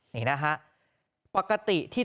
นี่นะฮะปกติที่